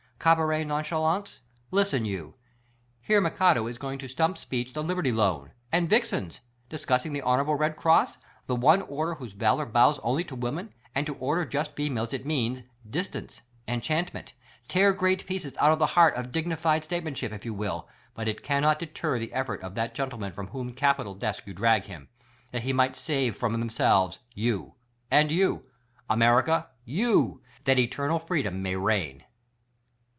Cabaret nonchalance, listen you : Hear McAdoo is going to stump speech the Liberty Loan? And vixens: Discussing the honorable Red Cross: The one order whose valor bows onl}^ to women — and to on'ly just females it means: Distance : Enchantment. Tear great pieces out of the heart of dignified statesm.anship, if you will ; but it cannot deter the effort of that gentleman from whose Capitol desk you drag him — that he might save from themselves — you, and you! America — you! — that eternal freedom may reign.